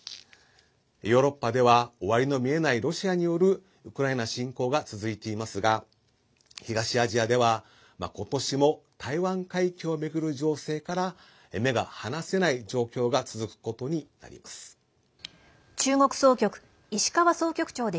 ヨーロッパでは終わりの見えないロシアによるウクライナ侵攻が続いていますが東アジアでは今年も台湾海峡を巡る情勢から目が離せない状況が続くことになります。